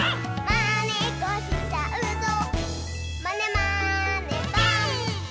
「まねっこしちゃうぞまねまねぽん！」